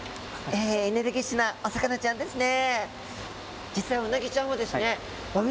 エネルギッシュなお魚ちゃんですね。